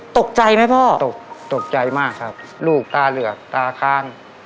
ตกใจไหมพ่อตกตกใจมากครับลูกตาเหลือกตาค้าง